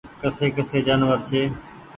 ڪسي ڪسي جآنور ڇي۔